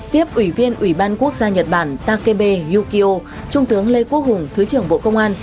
tiếp ủy viên ủy ban quốc gia nhật bản takebe yukio trung tướng lê quốc hùng thứ trưởng bộ công an